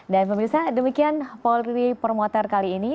dan pemirsa demikian polri promoter kali ini